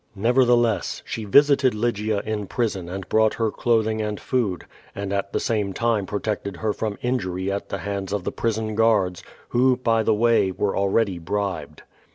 Nevertheless, she visited Lygia in prison and hrouglit lior clotliing and food, and at the same time j)rolected Jier from injury at the hands of the prison guards, who, by the way, were alreadv bribed.